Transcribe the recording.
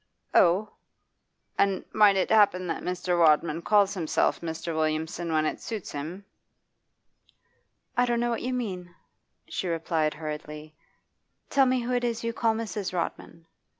'Oh? And might it 'appen that Mr. Rodman calls himself Mr. Williamson when it suits him?' 'I don't know what you mean,' she replied hurriedly. 'Tell me who it is you call Mrs. Rodman.